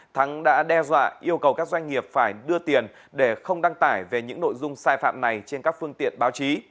thắng đã đe dọa yêu cầu các doanh nghiệp phải đưa tiền để không đăng tải về những nội dung sai phạm này trên các phương tiện báo chí